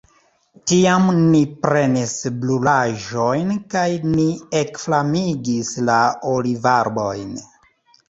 Tiam ni prenis brulaĵojn, kaj ni ekflamigis la olivarbojn.